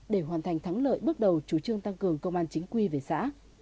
để hoàn thành thắng lợi bước đầu chủ trương tăng cường công an chính quy về xã